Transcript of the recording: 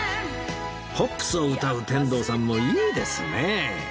ポップスを歌う天童さんもいいですね